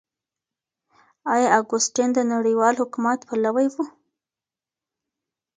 آيا اګوستين د نړيوال حکومت پلوي و؟